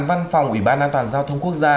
văn phòng ủy ban an toàn giao thông quốc gia